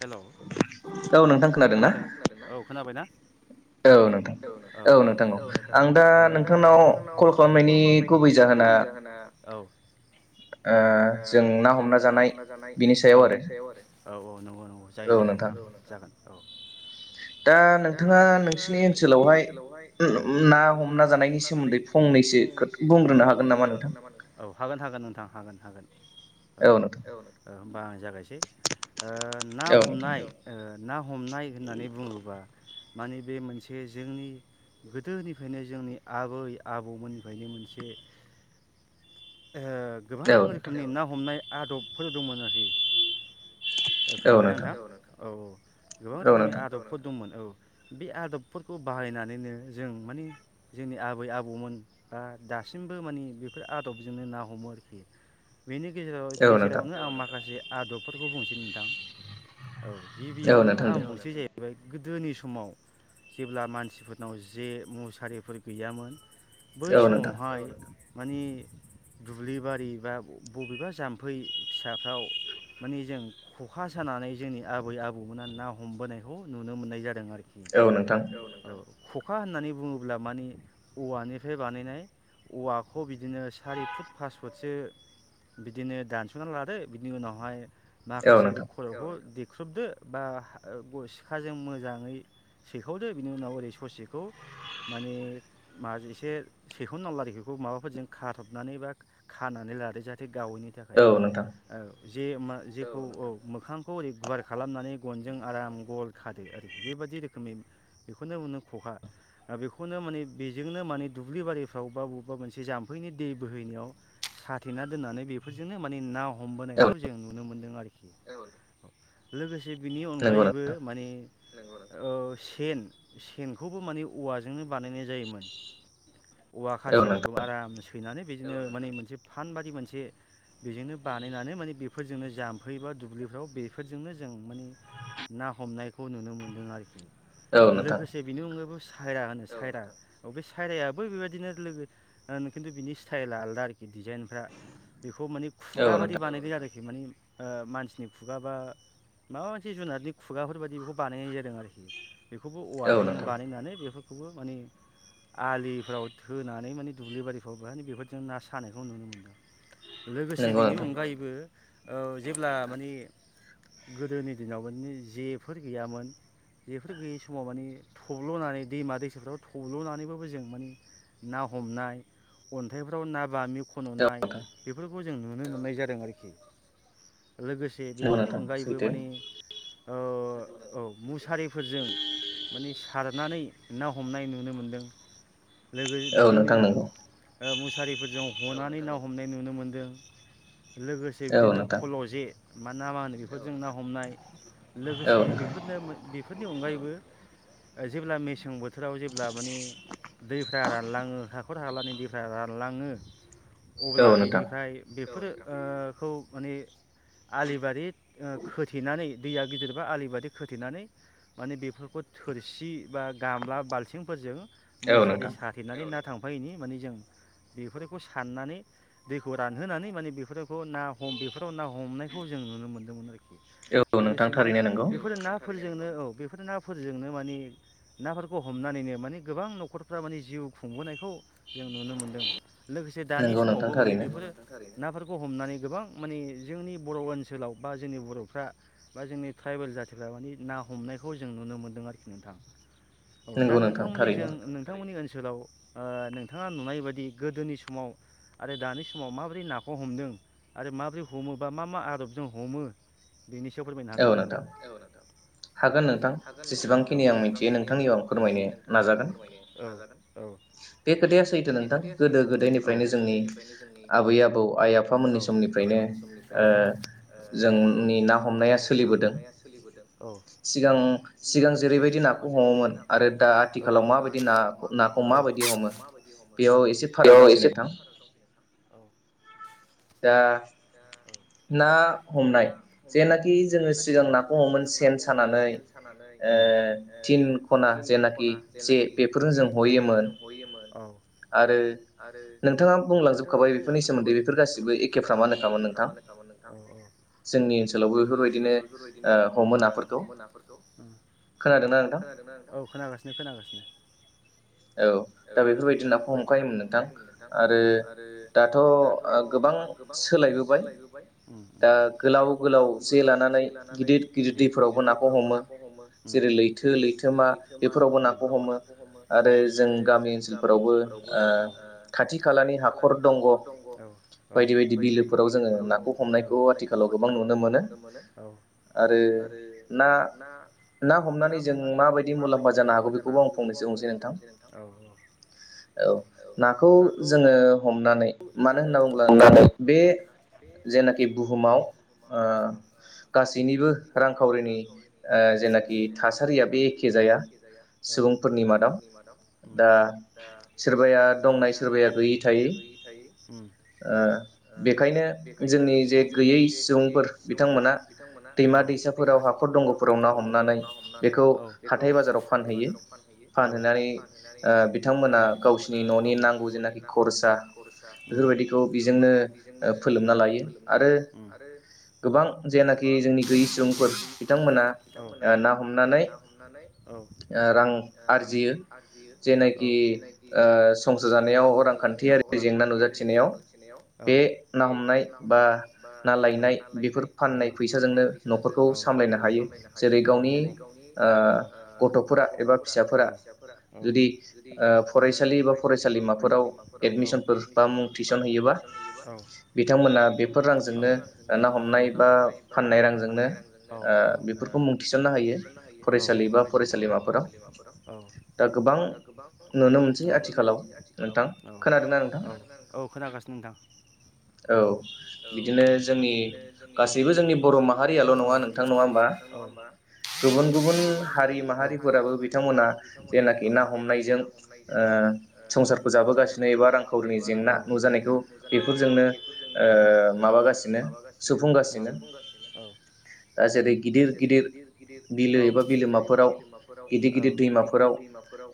हेल' खोनादों खोनादों औ खोनाबायना औ औ औ औ नोंथां दा नोंथांनाव कल खालामनायनि गुबै जाहोना औ जों ना हमना जानाय औ बिनि सायाव आरो औ औ नंगौं जायो जायो नोंथाङा जागोन औ दा नोंथाङा नोंसिनि ओनसोलावहाय औ ना हमना जानायनि सोमोन्दै फंनैसो औ बुंग्रोनो हागोन नामा नोंथां औ हागोन हागोन नोंथां। हागोन हागोन औ औ बा आं जागायसै ओ ना हमनाय ओ ना हमनाय होननानै बुङोबा माने बे मोनसे जोंनि गोदोनिफ्रायनो जोंनि आबै आबौमोननिफ्रायनो मोनसे औ नोंथां हमनाय आदबफोर दंमोन आरोखि खोनाबायना नोंथां औ औ गोबां रोखोमनि आदबफोर दंमोन औ बे आदबफोरखौ बाहायनानैनो जों मानि जोंनि आबै आबौमोन बा दासिमबो मानि बेफोर आदबजोंनो ना हमो आरोखि बेनि गेजेराव गेजेरावनो आं माखासे आदबफोरखौ बुंसै नोंथां औ गिबियावनो आं बुंसै जे [unintelligible] गोदोनि समाव जेब्ला मानसिफोरनाव जे मुसारिफोर गैयामोन बै समावहाय मानि दुब्लि बारि बा बबेबा जाम्फै फिसाफ्राव माने जों खखा जानानै जोंनि आबै आबौमोना ना हमबोनायखौ नुनो मोननाय जादों आरो औ नंगौ खखा होननानै बुङोब्ला मानि औवानिफ्राय बानायनाय औवाखौ बिदिनो सारि फुट पास फुटसो बिदिनो दानस'ना लादो बिनि उनावहाय माखासे ओरै खर'खौ [unintelligible] ख्रुबदो बा सिखाजों मोजाङै सैखावदो बिनि उनाव ओरै ससेखौ माने मा एसे सैखावनांल आरोखिखौ माबाफोरजों खाथबनानै बा खानानै लादो जा गावैनि थाखाय ओ जे मा जेखौ औ मोखांखौ ओरै गुवार खालामनानै गनजों आराम गल खादो आरोखि बेबायाददि रोखोमनि बेखौनो मोनो खखा बेखौनो माने बेजोंनो माने दुब्लि बारिफ्राव बा बबेबा मोनसे जाम्फैनि दै बोहैनायाव साथेना दोननानै बेफोरजोंनो माने नाव हमबोनायखौ जों नुनो मोनदों आरो औ लोगोसे जे बिनि अनगायैबो माने ओ सेन सेनखौबो माने औवाजोंनो बानायनाय जायोमोन। औवा खाथिफोरखौ आराम सैनानै बिदिनो माने मोनसे फान बादि मोन से बेजोंनो बानायनानै माने बेफोरजोंनो जाम्फै बा दुब्लिफ्राव बेफोरजोंनो जों माने ना हमनायखौ नुनो मोन्दों आरोखि। लोगोसे बेनि अनगायैबो सायरा होनो सायरा बे सायरायाबो बेबायदिनो लोगो खिन्थु बिनि स्टाइला आलदा आरोखि डिजाइनफ्रा बेखौ माने खुगा बादि बानायदो आरोखि माने ओ मानसिनि खुगा बा माबा मोनसे जुनारनि खुगाफोर बायदि बेखौ बानायनाय जादों आरोखि। बेखौबो औवाजोंनो बानायनानै बे खाबु माने आलिफ्राव थोनानै माने दुब्लि बारिफ्राव माने बेफोरजों ना सानायखौ नुनो मोनदों। लोगोसे बेनि अनगायैबो औ जेब्ला माने गोदोनि दिनाव माने जेफोर गैयामोन जेफोर गैयि समाव माने थब्ल'नानै दैमा दैसाफ्राव थब्ल'नानैबाबो जों माने ना हमनाय अन्थाइफ्राव ना बामि [unintelligible] बेफोरखौ जों नुनो मोननाय जादों आरोखि लोगोसे बेफोरनि अनगायैबो माने औ मुसारिफोरजों माने सारनानै ना हमनाय नुनो मोनदों लोगो बिदिनो ओ मुसारिफोरजों जनानै ना। हमनाय नुनो मोनदों लोगोसे बिदिनो फल जे मा ना मा होनो बेफोरजों ना हमनाय लोगोसे बेफोरनो। बेफोरनि अनगायैबो जेब्ला मेसें बोथोराव जेब्ला माने। दैफ्रा रानलाङो। हाखर हालानि दैफ्राय रानलाङो अब्ला बेनिफ्राय बेफोरो ओ खौ माने आलि बारि खोथेनानै दैया गिदिरबा आलि बारि खोथेनानै माने बेफोरखौ थोरसि बा गामला बाल्थिंफोरजों। मुसारि साथेनानै ना। थांफायिनि माने जों बेफोरखौ साननानै दैखौ रानहोनानै माने बेफोरखौ नाम हम बेफोराव ना हमनायखौ जों नुनो मोनदोंमोन आरोखि लोगोसे माने बेफोर नाफोरजोंनो औ। बेफोर नाफोरजोंनो माने नाफोरखौ हमनानैनो माने गोबां न'शखरफ्रा माने जिउ खुंबोनायखौ जों नुनो मोनदों। लोगोसे दानि समावबो माने बेफोरो नाफोरखौ हमनानै गोबां माने जोंनि बर ओनसोलाव बा जोंनि बरफ्रा बा जोंनि ट्राइबेल जाथिफ्रा माने ना हमनायखौ जों नुनो मोनदों आरोखि नोंथां। औ दा नोंथांमोननि नोंथांमोननि ओन- ओनसोलाव ओ नोंथाङा नुनाय बायदि गोदोनि समाव। आरो दानि समाव माबोरै नाखौ हमदों आरो माबोरै हमो बा मा मा आदबजों हमो बेनि सायाव फोरमायनो हागोना नोंथां औ नोंथां औ हागोन नोंथां औ जेसेबांखिनि आं मिथियो नोंथांनियाव औ औ फोरमायनो नाजागोन औ बे खोथाया सैथो नोंथां औ गोदो गोदोनिफ्राय आबै आबौ आइ आ बिफामोननि समनिफ्रायनो ओ जोंनि ना हमनाया। हमनाया सोलिबोदों औ सिगां सिगां जेरैबायदि नाखौ हमोमोन औ दा आथिखालाव माबायदि औ नाखौ माबायदि हमो औ बेयाव एसे फाराग दंसै नोंथां औ। दा ना हमनाय जेनाखि जोङो सिगां नाखौ हमोमोन सेन सानानै थिन खना जेनाखि जे बेफोरनो जों हयोमोन आरो नोंथाङा बुंलांजोबखाबाय बेफोरनि सोमोन्दै बेफोर गासैबो। बो एखे फ्रामानो। एखेफ्रामानो होनखामोन नोंथां ओं जोंनि ओनसोलावबो बेफोरबायदिनो ओ हमो नाफोरखौ उम खोनादोंना नोंथां औ खोनागासिनो खोनागासिनो। औ दा बेफोरबायदि नाखौ हमखायोमोन नोंथां आरो दाथ गोबां सो- सोलायबोबाय उम उम दा गोलाव गोलाव जे लानानै उम गिदिर गिदिर दैफोरावबो नाखौ हमो उम जेरै लैथो लैथोमा उम बेफोरावबो नाखौ हमो आरो जों गामि ओनसोलफोरावबो ओ खाथि खालानि हाखर दंग औ बायदि बायदि बिलोफोराव जोङो नाखौ हमनायखौ आथिखालाव गोबां नुनो मोनो आरो ना ना हमनानै जों माबायदि मुलाम्फा जानो हागौ बेखौबो आं फंनोसै थां औ नाखौ जोङो हमनानै मानो होनना बुङोब्ला नोंथां बे जेनाखि बुहुमाव गासैनिबो रांखावरिनि जेनाखि थासारिया बे एखे जाया सुबुंफोरनि मादाव! नि मादाव दा सोरबाया दंनाय सोरबाया गैयि ओ बेखायनो जोंनि जे गैयै सुबुंफोर बिथांमोना दैमा दैसाफोराव हाखर दंग'फोराव ना हमनानै बेखौ हाथाय बाजाराव फानहैयो ओ बिथांमोना गावसोरनि न'नि नांगौ जेनाखि खरसा खरसा बेफोरबायदिखौ बेजोंनो फोलोबना लायो आरो गोबां सुबुंफोर बिथांमोना ना हमनानै ओ आरजियो जेनाखि ओ संसार जानायाव रांखान्थियारि रांखान्थियारि जेंना नुथिनायाव बे ना हमनाय बा ना लायनाय बेफोर फाननाय फैसाजोंनो न'खरखौ सामलायनो हायो जेरै गावनि गथ'फोर जोंनि फिसाफोरा जुदि फरायसालि बा फरायसालिमाफोराव एडमिसनफोर बा मुं थिसनहैयोबा बिथांमोना बेफोर रांजोंनो ना हमनाय बा फाननाय रांजोंनो बेफोरखौ मुं थिसननो हायो फरायसालि बा फरायसालिमा औ दा गोबां नुनो मोनसै आथिखालाव औ नोंथां औ औ खोनोनागासिनो नोंथां औ बिदिनो जोंनि गासैबो जोंनि बर' माहारियाल' नङा नोंथां नंङा होनबा गुबुन गुबुन हारि माहारिफोराबो बिथांमोना जेनाखि ना हमनायजों संसारखौ जाबोगासिनो जेंना नुजानायखौ बेफोर बेफोरजोंनो माबागासिनो सुबुंफगासिनो जेरै गिदिर गिदिर बिलो एबा बिलोमाफोराव गिदिर गिदिर दैमाफोराव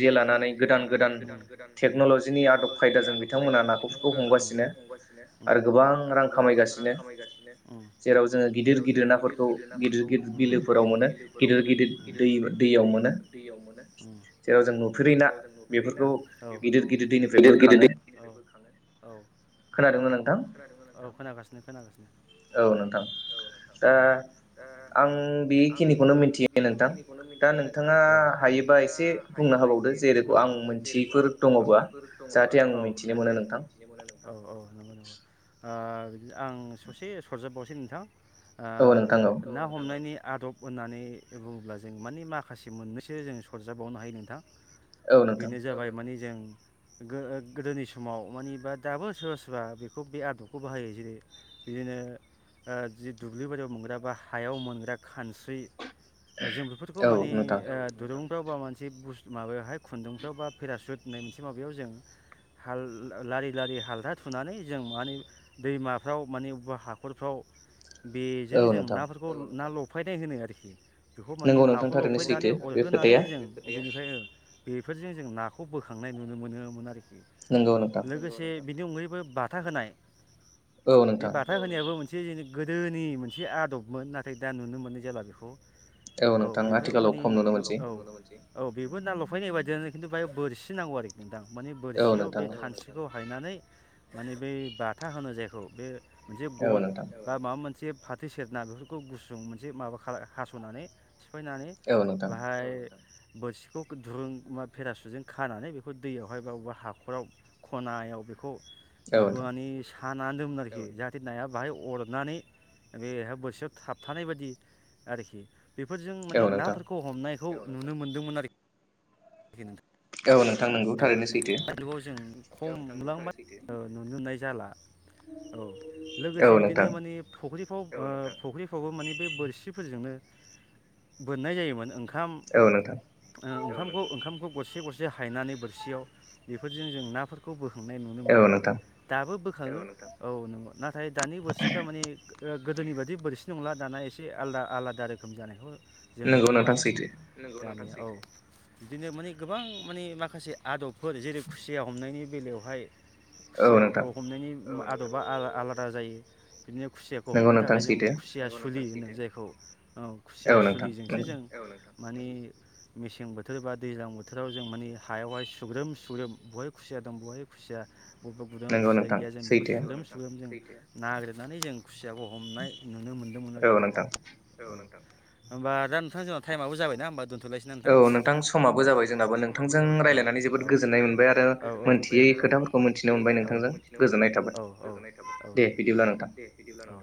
गिदिर गिदिर जे लानानै गोदान गोदान नि आदब खायदाजों बिथांमोना नाखौफोरखौ हमगासिनो खौ हमगासिनो आरो गोबां रां खामायगासिनो जेराव जोङो गिदिर गिदिर नाफोरखौ गिदिर गिदिर बिलोफोराव मोनो गिदिर गिदिर [inaudible] खोनादों ना नोंथां औ खोनागासिनो खोनागासिनो औ नोंथां दा आं बेखिनिखौनो मिथियो नोंथां दा नोंथाङा हायोबा एसे बुंना होबावदो जेरेख आं मिथि फोर दङबा जाहाथे आं मिन्थिनो मोनो नोंथां औ औ [inaudible] आ आं ससे सरजाब बावसै नोंथां ओ लोगो ना हमनायनि आदब होननानै बुङोब्ला जों माने माखासे मोननैसो जों सरजाबावनो हायो नोंथां। बेनो जाबाय माने जों [inaudible] गो- गोदोनि समाव माने बा दाबो सोरबा सोरबा बेखौ बे आदबखौ बाहायो जेरै बिदिनो ओ जि दुब्लि बारियाव मोनग्रा बा हायाव मोनग्रा खानस्रि जों बेफोरखौ माने ओ दुरुं राव बा मानसि बुस माबायावाहाय खुन्दुंफ्राव बा फेराासुट होननाय मोनसे माबायाव जों हाल लारि लारि हालथा थुनानै जों माने दैमाफ्राव माने बबा हाखरफ्राव बेजों जों नाफोरखौ ना लब फायनाय होनो आरोखि। बेखौ माने नाखौ लफैनानै अरहोनानै जों फायो बेफोरजों जों नाखौ बोखां नाय नुनो मोनोमोन आरोख नोंगौ नोंथां। बिनि अनगायैबो बाथा होनाय। बे बाथा होनायाबो मोन से जोनि गोदोनि मोनसे आदबमोन, नाथाय दा नुनो मोननाय जाला बेखौ। औ बेफोरखौ माने [unintelligible] औ बेबो ना लफैनाय बायदियानो खिन्थु बाहाय बोरसि नांगौ आरो खिनथां। माने बोरसियाव बे खानस्रिखौ फायनानै माने बै बाथा होनो जायखौ बे मोनसे गन बा माबा मोनसे जे फाथो सेरना बेफोरखौ गुसुं मोनसे माबा खा हासनानै थिफायनानै बाहाय बोरसिखौ दुरुं मा भेराासुजों खानानै बेखौ दैयावहाय बा अबा हाखराव खनायाव बेखौ बानिस हानानानै दोनो आरो खि जाहाथे नाया बाहाय अरनानै बेहा बोरसियाव थाबथानाय बायदि आरोखि बेफोरजों माने नाफोरखौ हमनाय खौ नुनो मोन्दोंमोन आरोख औ नोंथां नोंगौ थारैनो सैथो। खम नुलां बा ओ नुनो मोननाय जाला। औ लोगोसे बिदिनो माने फख्रि फ्राव ओ फख्रिफ्रावबो माने बे बोरसिफोरजोंनो बोननाय जायोमोन ओं। खाम ओ‌ ओंखाम ओंखामखौ गरसे गरसे हायनानै बोरसियाव बेफोरजों जों नाफोरखौ बो नाय नुनो मोनो दाबो बो [unintelligible] औ नंगौ नाथाय दानि बोरसिफ्रा माने गोदोनि बायदि बोरसि नंला दाना एसे आलादा आलादा रोखोम जानायखौ जों नुदों आरोखि जानाय औ। बिदिनो माने गोबां माने माखासे आदबफोर जेरै खुसिया हमनायनि बेलायावहाय खुसियाफोरखौ हमनायनि ओ आद दबा आला-आलादा जायो बिदिनो खुसियाखौ हमनो थाखाय जों खुसिया सुलि जायखौ औ खुसिया सुलिजोंसो जों औ नोंथां। माने मेसें बोथ थोर बा दैज्लां बोथोराव जों मानि हायावहाय सुग्रोम सुग्रोम बहाय खुसिया दं बहाय खुसिया बबेबा गुदानाव खुसिया गैया जों बेखौ सुदोम सुदोम जों नागिरनानै जों खुसियाबो हमनाय नुनो मोनदोंमोन आरोखि नोंथां औ नोंथां। होमबा दा नोंथां जोंङा थायेमाबो जाबायनाा होमबा दोन थलायसै ना नोंथां? औ नोंथां समाबो जाबाय जा नोंथांजों रायजलायनानै जोबोद गजोननाय मोनबाय आरो मोनथियै खोथाखौ मिथिनो मोनबाय नोंथांजों गोजोननाय थाबाय औ दे बिदिब्ला